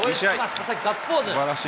佐々木、ガッツポーズ。